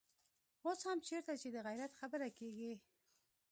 اوس هم چېرته چې د غيرت خبره کېږي.